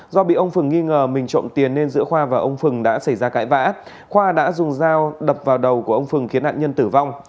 do bị ông phừng nghi ngờ mình trộm tiền nên giữa khoa và ông phừng đã xảy ra cãi vã khoa đã dùng dao đập vào đầu của ông phừng khiến nạn nhân tử vong